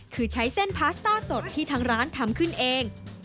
คือใช้เส้นพาสต้าสดที่ทางร้านทำขึ้นเอง